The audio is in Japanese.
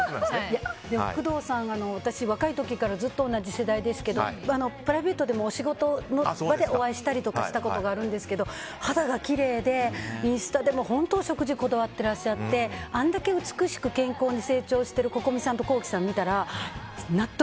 でも、工藤さん私が若い時からずっと同じ世代ですけどプライベートだけじゃなくてお仕事の場でお会いしたことがあるんですけど肌がきれいでインスタでも本当にお食事にこだわってらっしゃってあれだけ美しく健康に成長しているＣｏｃｏｍｉさんとＫｏｋｉ，さんを見たら。